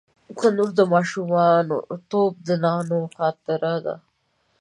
تنور د ماشومتوب د نانو خاطره ده